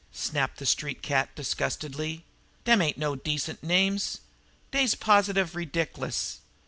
snapped the street cat disgustedly. "Dem ain't no decent names! D'ey's positive ridick'lous!